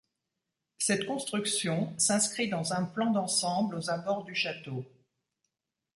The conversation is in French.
Cette construction s'inscrit dans un plan d'ensemble aux abords du château.